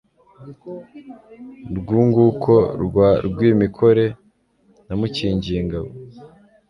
Rwunguko rwa Rwimikore Namukingiye ingabo,